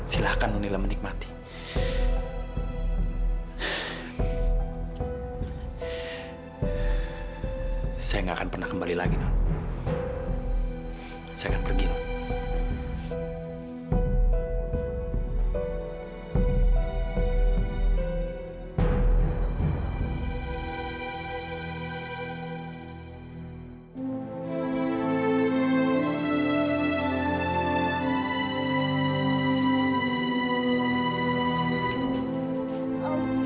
sampai jumpa di video selanjutnya